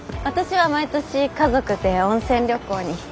私は毎年家族で温泉旅行に。